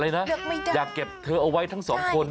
อะไรนะอยากเก็บเธอเอาไว้ทั้งสองคนเลือกไม่ได้